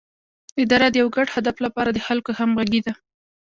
اداره د یو ګډ هدف لپاره د خلکو همغږي ده